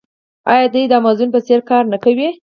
آیا دوی د امازون په څیر کار نه کوي؟